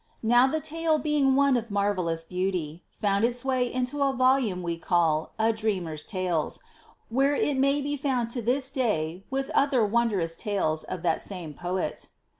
Now the tale being one of marvellous beauty, found its way into a volume we call A Dreamer's Tales where it may be found to this day with other wondrous tales of that same poet.